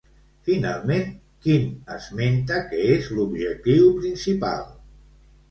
Finalment, quin esmenta que és l'objectiu principal?